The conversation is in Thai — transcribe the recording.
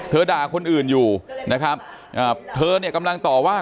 ด่าคนอื่นอยู่นะครับเธอเนี่ยกำลังต่อว่า